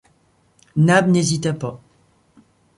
Nab n’hésita pas